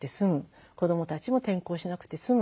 子どもたちも転校しなくて済む。